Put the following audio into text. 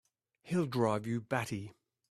He'll drive you batty!